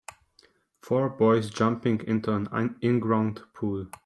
Four boys jumping into an inground pool.